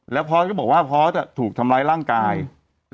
แล้วพอสก็บอกว่าพอสถูกทำร้ายร่างกาย